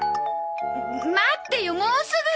待ってよもうすぐ！